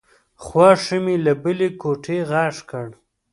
خواښې مې له بلې کوټې غږ کړ.